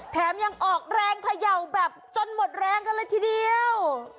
แถมยังออกแรงเขย่าแบบจนหมดแรงกันเลยทีเดียว